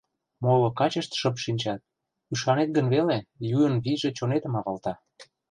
Моло качышт шып шинчат: ӱшанет гын веле, юын вийже чонетым авалта.